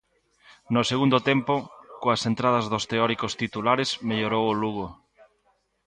No segundo tempo, coas entradas dos teóricos titulares mellorou o Lugo.